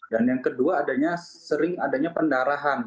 dan yang kedua adanya sering adanya pendarahan